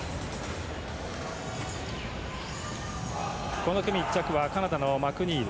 この組、１着はカナダのマクニール。